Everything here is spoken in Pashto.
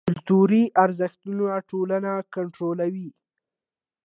کلتوري ارزښتونه ټولنه کنټرولوي.